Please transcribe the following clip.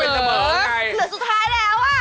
เหลือสุดท้ายแล้วอ่ะ